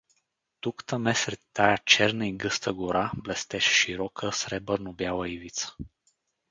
Тук-таме сред тая черна и гъста гора блестеше широка, сребърнобяла ивица.